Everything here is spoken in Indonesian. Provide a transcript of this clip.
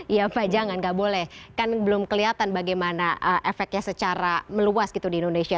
iya pak jangan gak boleh kan belum kelihatan bagaimana efeknya secara meluas gitu di indonesia